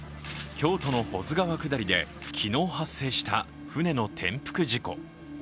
京都の保津川下りで昨日発生した舟の転覆事故。